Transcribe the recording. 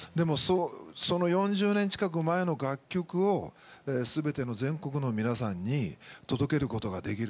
その４０年近く前の楽曲をすべての全国の皆さんに届けることができる。